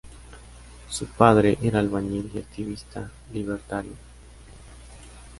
Su padre era albañil y activista libertario.